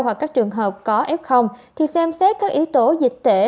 hoặc các trường hợp có f thì xem xét các yếu tố dịch tễ